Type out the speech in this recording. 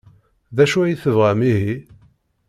D acu ay tebɣam ihi?